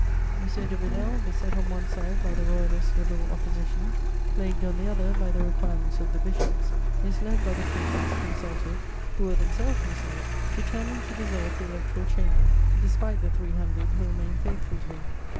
M. de Villèle, beset on one side by the Royalist Liberal Opposition, plagued on the other by the requirements of the bishops, misled by the prefects consulted, who were themselves misled, determined to dissolve the Electoral Chamber, despite the three hundred who remained faithful to him.